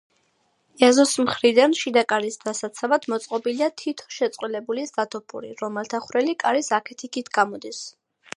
ეზოს მხრიდან, შიდა კარის დასაცავად, მოწყობილია თითო შეწყვილებული სათოფური, რომელთა ხვრელი კარის აქეთ-იქით გამოდის.